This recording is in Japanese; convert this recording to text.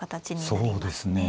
そうですね。